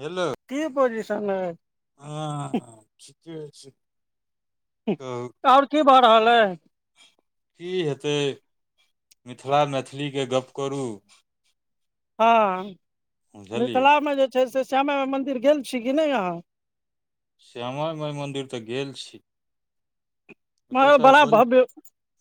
Hello की position हइ? हँ, ठीके छै। तऽ आओर की भऽ रहल छै? की हेतै, मिथिला मैथिलीके गप्प करू। हँ, बुझलियै मिथिलामे जे छै से श्यामा माइ मन्दिर गेल छी कि नहि अहाँ? श्यामा माइ मन्दिर तऽ गेल छी। ओतय म तऽ बड़ा बलि भव्य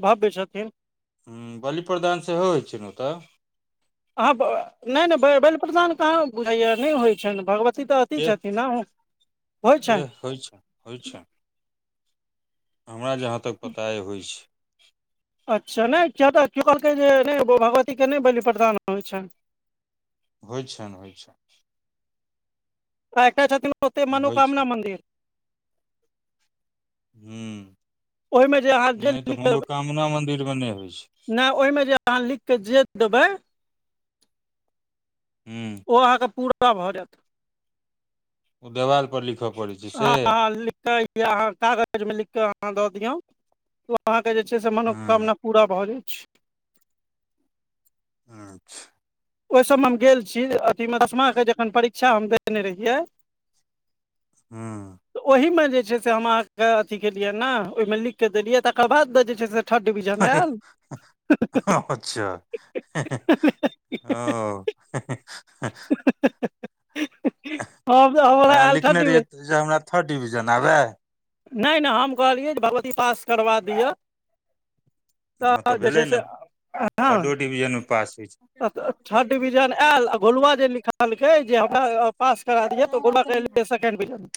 भव्य छथिन। हँ, बलि प्रदान सेहो होइ छै ने ओतऽ। अऽ नहि नहि, बलि प्रदान कहाँ होइ छै भगवतीके! सी तऽ एतेक एह छथिन ने, होइ छै। एह होइ छै होइ छै हमरा जहाँ तक पता छै, होइ छै। अच्छा, नहि। कियो कहलखिन जे भगवतीके बलि प्रदान नहि होइत छनि। होइ छै, होइ छै आ एकटा छथिन, ओतेक होइ छै मनोकामना मन्दिर। हू ओहिमे जे अहाँ लिखब मन्दिरमे नहि होइ छै नहि, ओहिमे जे अहाँ [unintelligible] के जे देबै हुँ ओ अहाँके पूरा भऽ जायत। ओ देवालपर लिखब। हँ हँ, लिखि कऽ अहाँ कागजमे लिखि कऽ अहाँ दऽ दियौ। ओ, अहाँके जे छै से हुँ मनोकामना पूरा भऽ जाइत छै। अच्छा ओहि सभमे हम गेल छी, एतऽमे दसमा जखन परीक्षा देने रहियै। हँ तऽ ओहिमे जे छै से हम अहाँके अथी केलियै ने, ओहिमे लिखि कऽ देलियै, तकर बाद जे छै से थर्ड डिविजन हे आयल हे, अच्छा हे हे। ओ हँ तऽ हला अहाँ आल लिखने रहियै छटमे [unintelligible] जे हमरा थर्ड डिविजन आबै। नहि नहि, हम कहलियै जे भगवती पास करबा दिअ। हँ, तऽ जे छै भेलै से ने, हँ थर्ड डिविजनमे पास होइ छै। थर्ड डिविजन आयल, आ गोलुआ जे लिखलक जे हमरा पास करा दियौ तऽ गलु। Second division.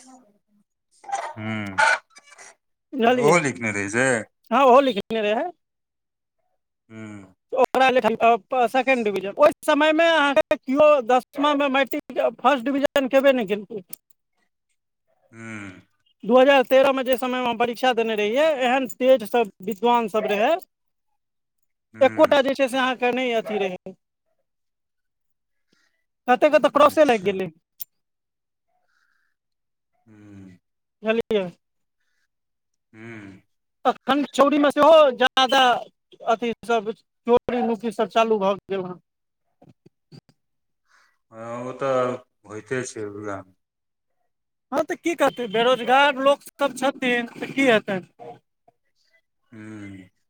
हँ, ओहो बुझलियै लिखने रहै छै। हँ ओहो लिखने रहे है हूँ ओकरा लेल सेकंड डिविजन, ओहि समयमे अहाँके केओ दसमा मैट्रिक फर्स्ट डिविजन खेबै ने, किनकु? हूँ दू हजार तेरहमे जे समयमे परीक्षा देने रहियै, एहन स्टेज सभ विद्वान सभ रहै। एकोटा हूँ जे छै से अहाँके नहि अथी रहै। कते कते प्रोसेस लागि अच्छा गेलै। हू जुझलियै। हू अखड चौरी मे सेहो हो जादा अथी सब चोरी मुकी सब चालू भए गेलै ह ह ओ तऽ होइते छैभ हँ तऽ की करतै बेरोजगार लोक सब छथिन तऽ की हेतै [inaudible] हू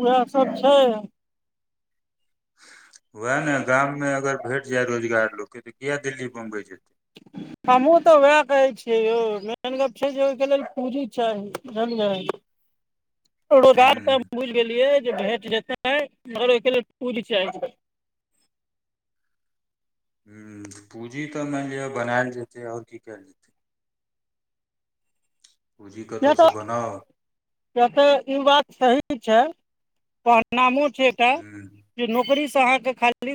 इएह सब छै वएह ने गाममे अगर भेट जाय रोजगार लोकके तऽ किया दिल्ली बम्बई जेतै [inaudible] हमहुँ तऽ वएह कहै छियै यौ मेन गप छै जे ओहिके लेल पूँजी चाही जनलियै [inaudible] हूँ रोगार तऽ हम बुझ गेलियै जे भेट जेतेै मगर ओहिके लेल पूरी चाह ह पूँजी तऽ मानि लिअ बनायल जेतै आओर की कयल जेतै पूँजी कतौसँ बनाउ कतऽ युवा सही छै पनाामो छैटा हूँ जे नौकरी से अहाँ के खाद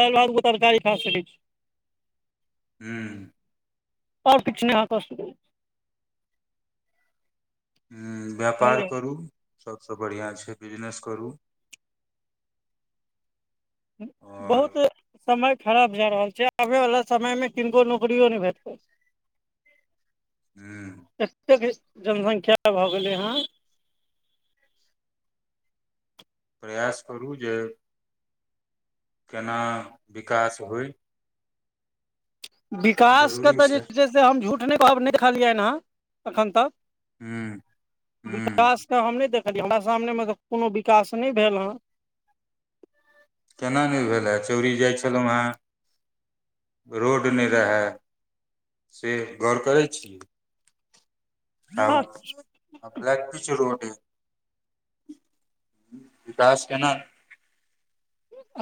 तरकारी खा सकै छै हूँ आओरछु नहिहाँ व्यापार बुझलियै करू सबसँ बढ़िआँ छै बिजनेस करू आओर बहुत समय खराब जा रहल छै आबे वालला समय मे किनको नौकियो नहि भेटतै [inaudible] हू एतेक जनसंख्या भऽ गेलै हँ प्रयास करू जे केना विकास होइ विकासके तऽ जे छै से हम झूठ नहि कहब नहि देखलियनि हँ एखन तक ह्म ह्म विकास तऽ हम नहि देखलियै हमरा सामनेमे तऽ कोनो विकास नहि भेल हेँ केना नहि भेले चौरी जाइ छलौँ हेँ रोड नहि रहै से गौर करै छी हँ आ ब्लैक पिच रोड विकास केना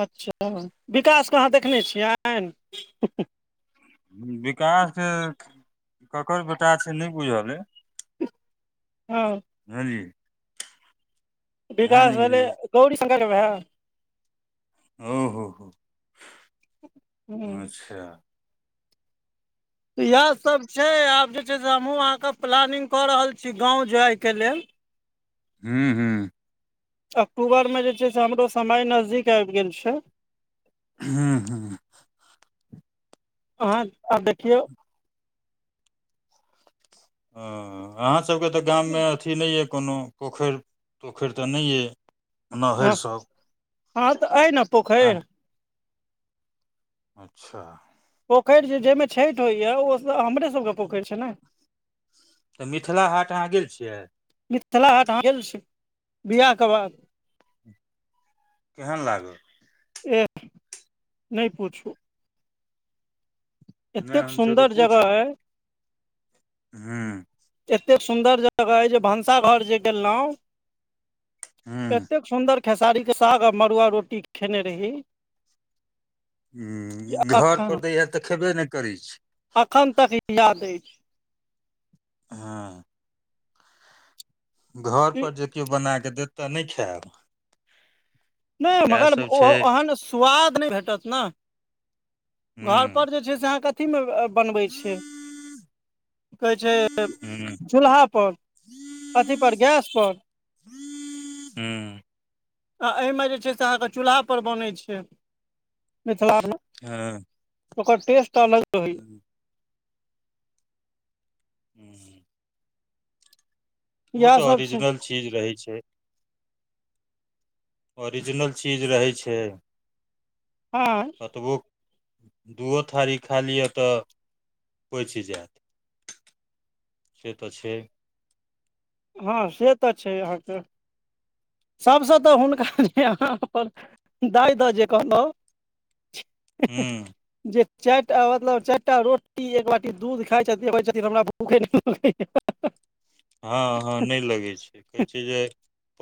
अच्छा विकासके अहाँ देखने छियै आ विकास ककर बेटा छै नहि बुझल अइ हँ ह जी विकास भेलै गौरी शंकरके भै ओ हो हो अच्छा इएहसभ छै आब जे छै से हमहूँ अहाँके प्लानि्ंग कऽ रहल छी गाँव जाइके लेल हू हू अक्टूबरमे जे छै से हमरो समय नजदीक आबि गेल छै हू हू अहाँ आब देखियौ ह अहाँसभके तऽ गाममे अथी नहि यए कोनो पोखरि पोखरि तऽ नहि अइ हँ अहांक तऽ अइ ने पोखरि हँ अच्छा पोखरि जे जाहिमे छठि होइए ओ हमरे सभके पोखरि छै ने मिथिला हाट अहाँ गेल छियै मिथिला हाट हॅं गेल छी बिआाहके बाद केहन लागल एह नहि पूछू नहि एतेक हमसभ तऽ सुन्दर जगह पूछब अय हूँ एतेक सुंदर जगह अय जे भनसा घर जे गेलहुँ हूँ एतेक सुन्दर खेसारी के साग आ मड़ुआ रोटी खेने रही हुं हुं घर पर दै हए तऽ खयबे नइ करै छी एखन तक याद अछि हँ घर पर जे किओ बना कऽ देत तह नै खायब नहि इएह मगर सब ओ छै ओहन स्वाद नहि भेटत ने हूँ घर पर जे छै से अहाँ कथी मऽ बनबै छै हूँ की कहै छै हूँ चूल्हा पर अथी पर गैस पर हूँ आ एहिमे जे छै से अहाँके चूल्हा पर बनै छै मिथिलामे हँ ओकर टेस्ट अलग रहै हूँ हूँ उ इएह तऽ सब छै ओरिजिनल चीज रहै छै ओरिजिनल चीज रहै छै हँ कतबो दुओ थारी खा लिअ तऽ पैच जेत से तऽ छै हँ से तऽ छै अहाँ कऽ सभसँ तऽ हुनका जे अहाँ अपन दाय दऽ जे कहलहुँ हे हे हूँ जे चारि टा मतलब चारि टा रोटी एक बाटी दूध खाइत छथिन कहय छथिन हमरा भूखे नहि लगैए हँ हँ नहि लगैत छै कहैत छै जे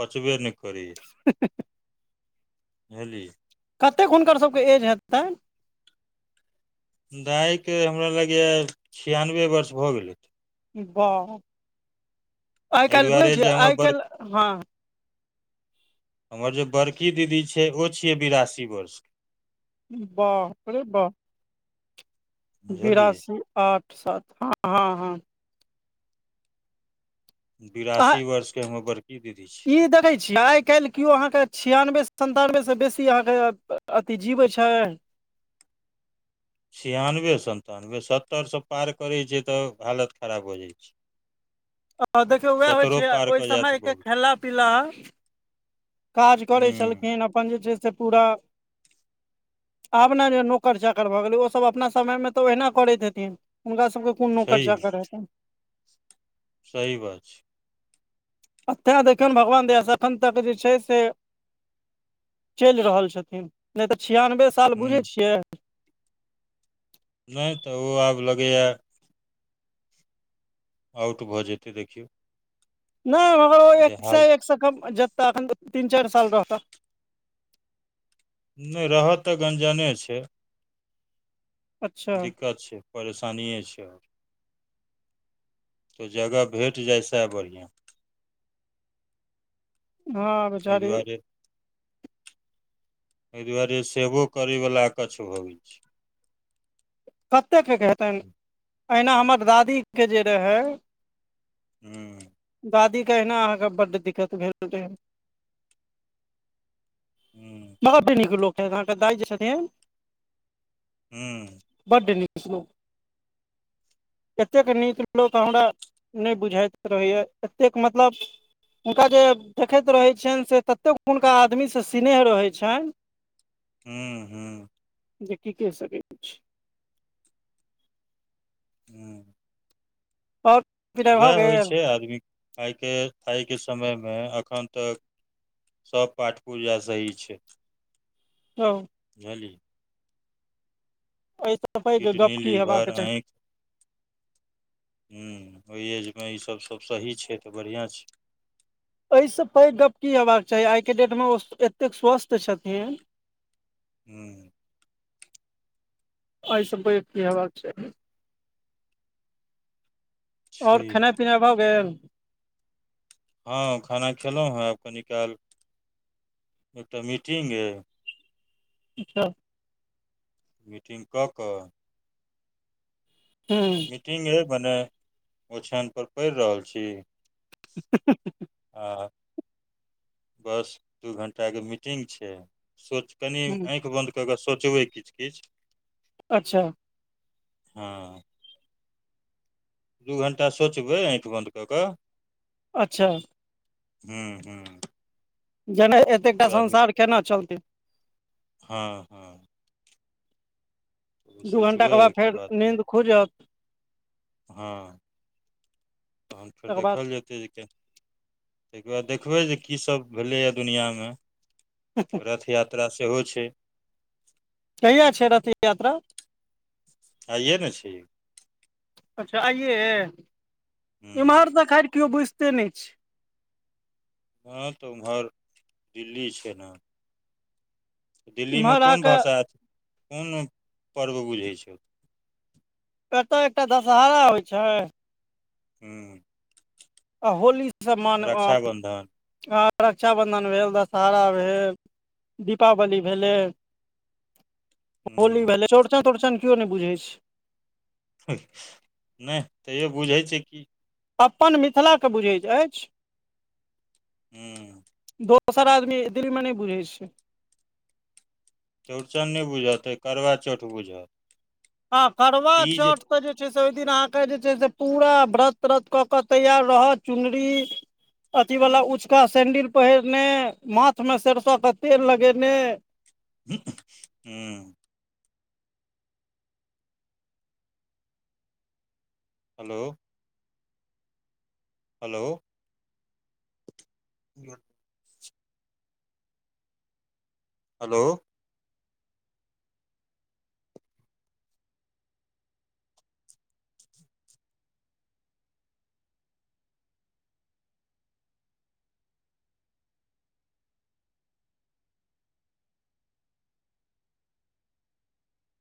पचबे नहि करै य [inaudible] बुझहली कतेक हुनकर सभके एज हेतैन दाइके हमरा लगैये छियानबे वर्ष भऽ गेलै बाह आइ एहि काल्हि बुझै दुआरे छियै जे हमर आइ बड़ काल्हि हँ हमर जे बड़की दीदी छै ओ छियै बिरासी वर्ष क बाप रे बाप बुझलियै बिरासी आठ सात हँ हँ आ बिरासी वर्ष के हमर बड़की दीदी छै की देखै छीय आइ काल्हि केओ अहाँके छिआनबे सन्तानबे सँ बेसी अहाँ कऽ अथी जीबै छै छियानबे सन्तानबे सत्तरिसँ पार करै छै तऽ हालत खराब भऽ जाइत छै आ देखियौ उएह होइ सत्तरो छै पार ओहि कऽ जायत समयके बहुत खेला पीला काज करै हूँ छलखिन अपन जे छै से पूरा आब नऽ जे नौकर चाकर भऽ गेलै ओसभ अपना समयमे तऽ ओहिना करैत हेथिन हुनका सभके कोनो नौकर छैहे चाकर हेतैन सही बात छै एतऽ देखियौनि भगवान दासँ एखन तक जे छै से चैल रहल छथिन नहि तऽ छियानबे साल बुझै हुँ छियै न तऽ ओ आब लगैय आउट भऽ जेतै देखियौ नइ मगर जे एक सै हाल एकसँ कम मे जेता एखन तीन चारि साल रहता नैय रहत तऽ गनजने छै अच्छा दिक्कत छै परेशानिे छै आओर तऽ जगह भेट जाइ सएह बढ़िआँ हां आई दुआरे एहि दुआरे सेबो करयवला कच्छ भबै छै कतेक के हेतनि अहिना हमर दादी के जे रहै हूँ दादीेहिना अहाँके बड्ड दिक्कत भेल रहै हू मग प्रेक के लोक छथि अहाँके दाइ जे छथिन हू बड न निक लोक इतेक निक लोक हमरा नहि बुझाइत रहैया एतेक मतलब हुनका जे देखैत रहैत छियनि से ततेक हुनका आदमीसँ सिनेह रहैत छनि [unintelligible] हू हू जे की कहि सकैत किछ हू आओर विदा भऽ उएह होइ गेल छै आदमी आइके आइके समयमे एखन तक सभ पाठ पूजा सही छै हँ हझली आऽ किडनी लिवर आँख हूँ ओहि एजमे ईसब सब सही छै तऽ बढ़िआँ छै एहिसँ पैघ गप की हेबाक चाही आइ के डेट मे ओ एतेक स्वस्थ छथिन हूँ एहि सब पागा की हबाक छै ओर छै खेनाय पीना भऽ गेल हँ खाना खेलहुँ हँ आब कनी काल एकटा मीटिंग अ अच्छा मीटिंग कऽ कऽ हूँ मीटिंग अ बनय ओछनपर पढ़ि रहल छी ह हा बस दू घंटा के मीटिंग छै सोच कनि हूँ आँखि बन्द क कऽ सोचबै किछु किछु अच्छा हँ दू घण्टा सोचबैठि बन्द कऽ कऽ अच्छा हू हू जेना एतेकटा संसार केना चलतै हँ हँ दू घण्टाके बाद फेर नींन्द खुजत हँ तहन फेर तकर बाद देखल जेतै जे के ताहिके बाद देखबै जे कीसभ भेलैए दुनिआँमे रथ यात्रा तरा सेहो छै कहिया छै रथ यात्रा आइे ने छै अच्छा आइे हूँ इम्हर तऽ खर केओ बुझिते नहि छै ह तऽ उम्हर दिल्ली छै ने दिल्लीमे इम्हर कोन अहाँके भाषा त कोन पर्व बुझैत छै कतय एकटा दशहरा होइ छै हू आ होलीसँ मान हँ रक्षाबन्धन भेल दशहरा भेल दीपावली भेलै होली हूँ भेलै चौड़चन तौरचन केओ नहि बुझै छै नहि तैयो बुझै छै की अपन मिथिलाके बुझैत अछि हूँ दोसर आदमी देल मने बुझै छै चौड़चन नहि बुझत करवा चौठ बुझत हँ करुआ तीज चोट ऽ जे छै से ओहि दिन अहाँके जे छै से पूरा व्रत व्रत कऽ के तैयार रहत चुनरी अथी वाल उँचका सेैंडिल पहिरने माथ में सरसो के तेेल लगेने हूँ हेलो हेलो ह हेलो